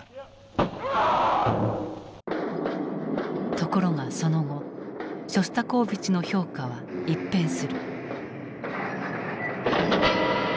ところがその後ショスタコーヴィチの評価は一変する。